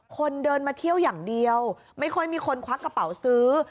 คนเดินมาเที่ยวอย่างเดียวไม่ค่อยมีคนควักกระเป๋าซื้อ